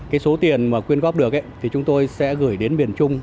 cái số tiền mà quyên góp được ấy thì chúng tôi sẽ gửi đến miền trung